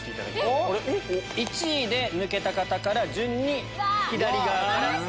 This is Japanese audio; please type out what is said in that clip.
１位で抜けた方から順に左側から。